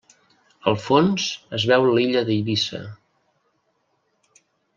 Al fons es veu l'illa d'Eivissa.